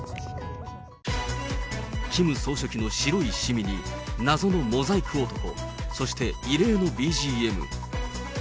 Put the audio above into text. キム総書記の白いしみに謎のモザイク男、そして異例のＢＧＭ。